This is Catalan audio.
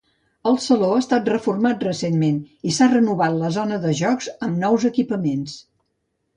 El saló ha estat reformat recentment i s'ha renovat la zona de jocs amb nous equipaments.